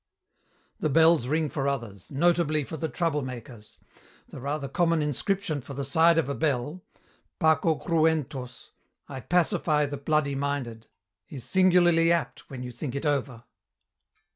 "The bells ring for others, notably for the trouble makers. The rather common inscription for the side of a bell, 'Paco cruentos,' 'I pacify the bloody minded,' is singularly apt, when you think it over."